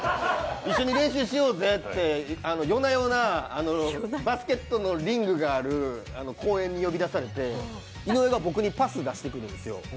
一緒に練習しようぜって夜な夜なバスケットのリングがある公園に呼び出されて、井上が僕にパス出してくるんですよ。